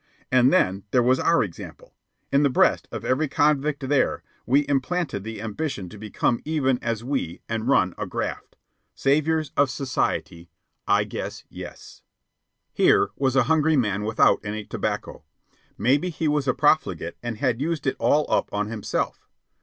And then there was our example. In the breast of every convict there we implanted the ambition to become even as we and run a graft. Saviours of society I guess yes. Here was a hungry man without any tobacco. Maybe he was a profligate and had used it all up on himself.